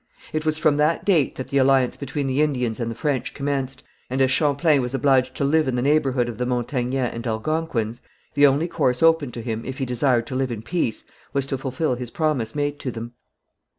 It was from that date that the alliance between the Indians and the French commenced, and, as Champlain was obliged to live in the neighbourhood of the Montagnais and Algonquins, the only course open to him, if he desired to live in peace, was to fulfil his promise made to them.